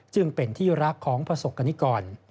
จึงเป็นที่รักของประสบกรณิกร